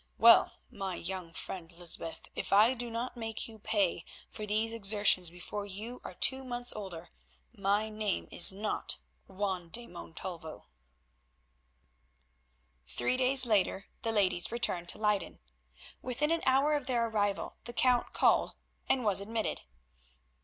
Well, my young friend Lysbeth, if I do not make you pay for these exertions before you are two months older, my name is not Juan de Montalvo." Three days later the ladies returned to Leyden. Within an hour of their arrival the Count called, and was admitted.